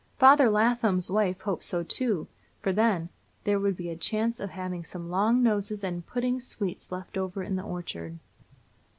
Father Lathem's wife hoped so too, for then "there would be a chance of having some Long noses and Pudding sweets left over in the orchard."